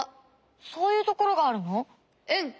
そういうところがあるの？